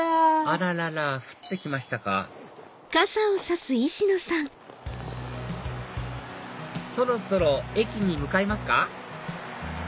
あららら降って来ましたかそろそろ駅に向かいますか？